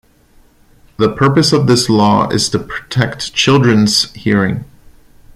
The purpose of this law is to protect children's hearing.